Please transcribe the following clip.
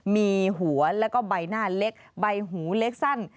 มีหัวแล้วก็ใบหน้าเล็กใบหูเล็กสั้น